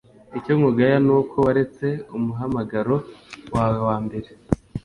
icyo nkugaya ni uko waretse umuhamagaro wawe wambere